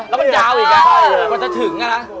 แล้วปัญหาคือ